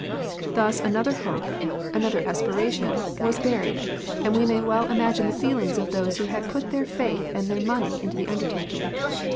Thus another hope, another aspiration, was buried, and we may well imagine the feelings of those who had put their faith and their money into the undertaking.